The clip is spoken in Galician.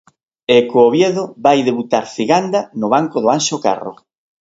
E co Oviedo vai debutar Ciganda no banco do Anxo Carro.